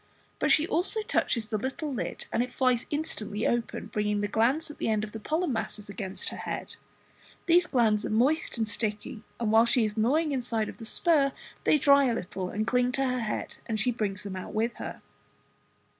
but she also touches the little lid and it flies instantly open, bringing the glands at the end of the pollen masses against her head. These glands are moist and sticky, and while she is gnawing the inside of the spur they dry a little and cling to her head and she brings them out with her.